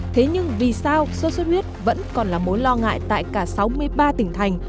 thế nhưng vì sao sốt xuất huyết vẫn còn là mối lo ngại tại cả sáu mươi ba tỉnh thành